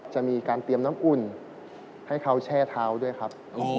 จะมีการเตรียมน้ำอุ่นให้เขาแช่เท้าด้วยครับ